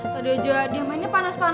tadi aja dia mainnya panas panas